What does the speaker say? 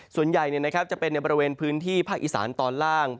ส่วนใหญ่จะเป็นในบริเวณพื้นที่ภาคอีสานตอนล่าง